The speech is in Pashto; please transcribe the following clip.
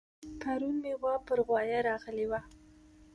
پرون مې غوا پر غوايه راغلې وه